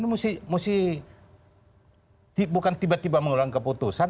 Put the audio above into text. mesti bukan tiba tiba mengulang keputusan